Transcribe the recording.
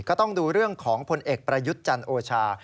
ก็ต้องดูเรื่องของผลเอกประยุทธ์จันทร์โอชา